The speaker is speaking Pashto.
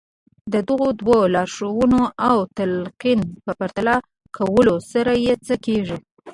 د دغو دوو لارښوونو او تلقين په پرتله کولو سره يو څه کېږي.